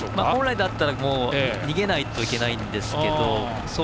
本来であったら逃げないといけないんですけど